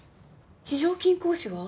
非常勤講師は？